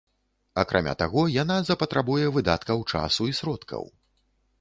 Акрамя таго, яна запатрабуе выдаткаў часу і сродкаў.